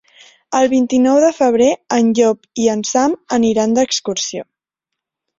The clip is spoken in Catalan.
El vint-i-nou de febrer en Llop i en Sam aniran d'excursió.